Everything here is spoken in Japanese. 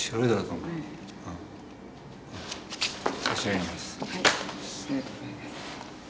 ありがとうございます。